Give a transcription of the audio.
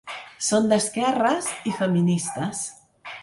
Són d'esquerres i feministes.